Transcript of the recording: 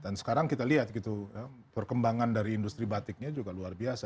dan sekarang kita lihat gitu perkembangan dari industri batiknya juga luar biasa